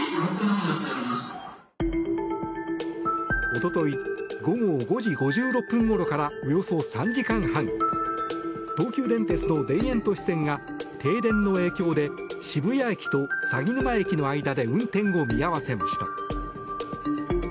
一昨日午後５時５６分ごろからおよそ３時間半東急電鉄の田園都市線が停電の影響で渋谷駅と鷺沼駅の間で運転を見合わせました。